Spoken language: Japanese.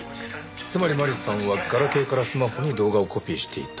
つまり麻里さんはガラケーからスマホに動画をコピーしていた。